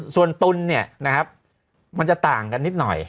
ส่วนตุ้นเนี่ยมันจะต่างกันนิดหน่อย